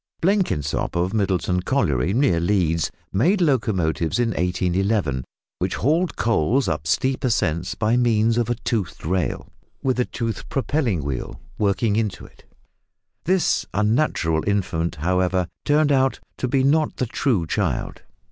Blenkinsop, of Middleton Colliery, near Leeds, made locomotives in 1811 which hauled coals up steep ascents by means of a toothed rail, with a toothed propelling wheel working into it. This unnatural infant, however, turned out to be not the true child.